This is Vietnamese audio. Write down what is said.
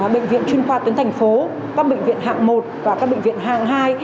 bệnh viện chuyên khoa tuyến thành phố các bệnh viện hạng một và các bệnh viện hạng hai